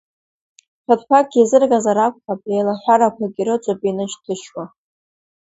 Фатәқәакгьы еизыргазар акәхап, еилаҳәарақәак ирыҵоуп инышьҭышьуа.